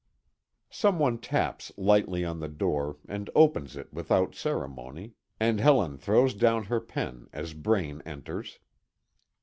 Some one taps lightly on the door, and opens it without ceremony, and Helen throws down her pen as Braine enters.